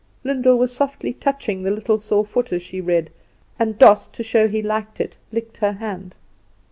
Lyndall was softly touching the little sore foot as she read, and Doss, to show he liked it, licked her hand.